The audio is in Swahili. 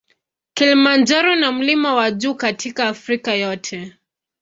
Kilimanjaro na mlima wa juu katika Afrika yote.